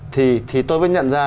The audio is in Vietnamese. thì tôi mới nhận ra